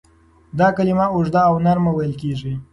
دا کلمه اوږده او نرمه ویل کیږي.